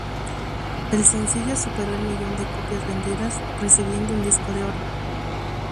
El sencillo superó el millón de copias vendidas, recibiendo un disco de oro.